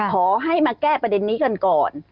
ขอให้มาแก้ประเด็นนี้กันก่อน